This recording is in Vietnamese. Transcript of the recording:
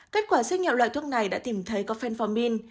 kết quả xét nghiệm loại thuốc này đã tìm thấy có fenformin